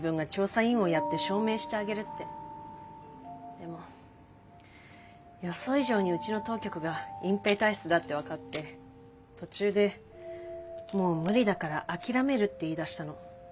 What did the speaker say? でも予想以上にうちの当局が隠蔽体質だって分かって途中で「もう無理だから諦める」って言いだしたの。